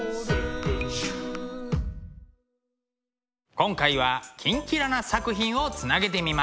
今回は「キンキラ★」な作品をつなげてみました。